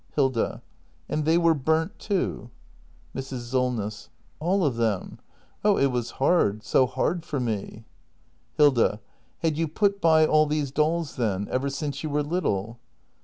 Hilda. And they were burnt too ? Mrs. Solness. All of them. Oh, it was hard — so hard for me. Hilda. Had you put by all these dolls, then ? Ever since you were little?